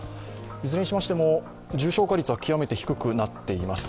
いずれにしましても重症化率は極めて低くなっています。